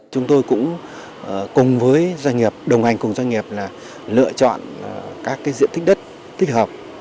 chúng tôi cũng cùng với doanh nghiệp đồng hành cùng doanh nghiệp là lựa chọn các diện tích đất thích hợp